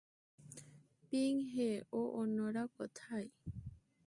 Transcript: Ping হে ও অন্যরা কোথায়?